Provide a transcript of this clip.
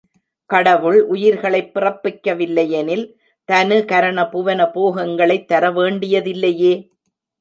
கடவுள் உயிர்களைப் பிறப்பிக்கவில்லையெனில் தனு கரண புவன போகங்களைத் தரவேண்டிய தில்லையே?